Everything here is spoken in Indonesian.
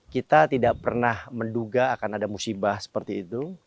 kita tidak pernah menduga akan ada musibah seperti itu